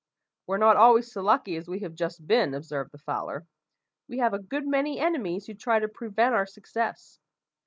"We're not always so lucky as we have just been," observed the fowler; "we have a good many enemies who try to prevent our success.